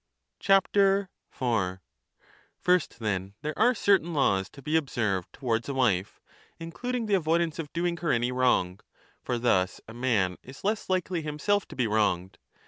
4 First, then, there are certain laws to be observed towards a wife, including the avoidance of doing her any wrong ; for thus a man is less likely himself to be wronged.